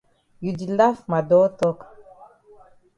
You di laf ma dull tok.